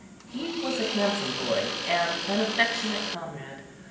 He was a handsome boy, and an affectionate comrade.